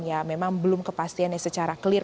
ya memang belum kepastiannya secara clear